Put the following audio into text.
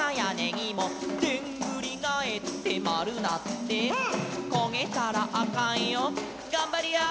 「でんぐりがえってまるなって」「こげたらあかんよがんばりやー」